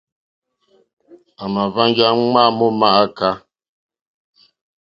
À mà hwánjá ŋmá mó mááká.